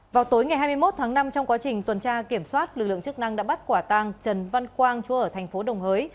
vào tối ngày hai mươi một tháng năm trong quá trình tuần tra kiểm soát lực lượng chức năng đã bắt quả tăng trần văn quang chú ở thành phố đồng hới